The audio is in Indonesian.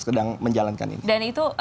sedang menjalankan ini dan itu